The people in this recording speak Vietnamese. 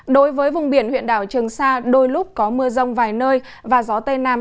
đối với vùng biển huyện đảo trường sa đôi lúc có mưa rông vài nơi và gió tây nam